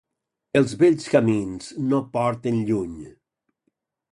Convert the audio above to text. Els bells camins no porten lluny.